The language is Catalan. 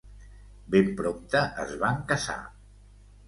Ben prompte es van casar.